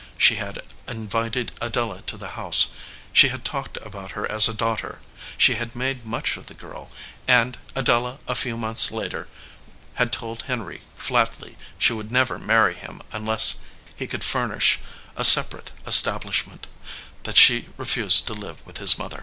She had invited Adela to the house; she had talked about her as a daughter; she had made much of the girl; and Adela a few months later had told Henry flatly that she would never marry him unless he could furnish a separate estab lishment that she refused to live with his mother.